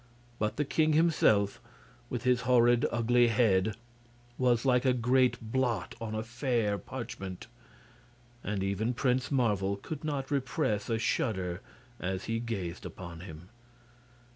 But the king himself, with his horrid, ugly head, was like a great blot on a fair parchment, and even Prince Marvel could not repress a shudder as he gazed upon him.